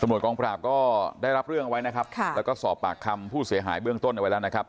กองปราบก็ได้รับเรื่องเอาไว้นะครับค่ะแล้วก็สอบปากคำผู้เสียหายเบื้องต้นเอาไว้แล้วนะครับ